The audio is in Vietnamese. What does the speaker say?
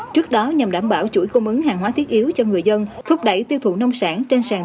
trước đó nhằm đảm bảo chuỗi cung ứng hàng hóa thiết yếu cho người dân